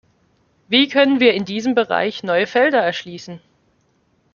Wie können wir in diesem Bereich neue Felder erschließen?